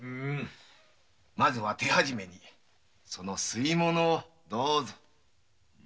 まずは手始めにその吸い物をどうぞ。